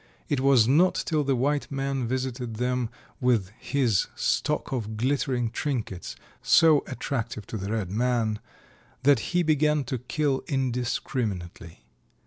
It was not till the white man visited them with his stock of glittering trinkets, so attractive to the red man, that he began to kill indiscriminately.